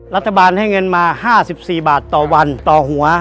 รัฐบาลให้เงินมา๕๔บาทต่อวันต่อหัว